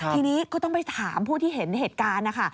ทีนี้ก็ต้องไปถามผู้ที่เห็นเหตุการณ์นะคะ